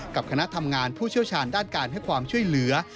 กับคณะทำงานผู้เชี่ยวชาญด้านการให้ความช่วยเหลือ